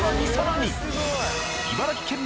茨城県民